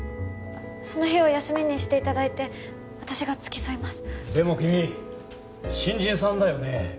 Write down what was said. その日を休みにしていただいて私が付き添いますでも君新人さんだよね？